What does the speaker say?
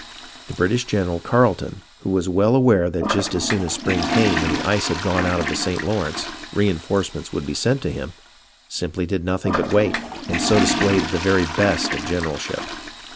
The British general, Carleton, who was well aware that just as soon as spring came and the ice had gone out of the St. Lawrence, reenforcements would be sent him, simply did nothing but wait, and so displayed the very best of generalship.